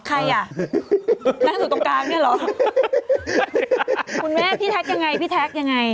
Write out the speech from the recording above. ใครอ่ะนั่งอยู่ตรงกลางเนี่ยเหรอคุณแม่พี่แท็กยังไงพี่แท็กยังไง